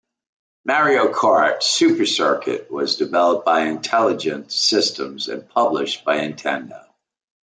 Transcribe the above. "Mario Kart: Super Circuit" was developed by Intelligent Systems and published by Nintendo.